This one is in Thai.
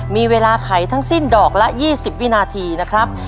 มีเวลาไขทั้งสิ้นดอกละ๒๐วินาทีนะครับ